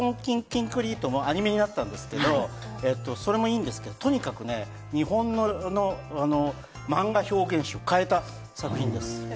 『鉄コン筋クリート』もアニメになったんですけど、それもいいんですけど、日本のマンガ表現史を変えた作品です。